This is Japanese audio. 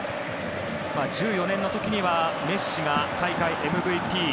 １４年の時にはメッシが大会ＭＶＰ。